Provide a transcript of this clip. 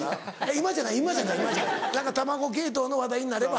今じゃない今じゃない何か卵系統の話題になれば。